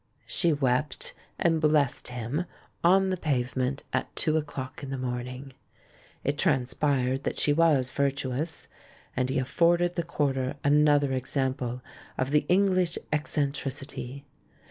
She wept, and blessed him, on the pavement, at two o'clock in the morning. It transpired that she was virtuous ; and he afforded the quarter another example of "the English ec centricity."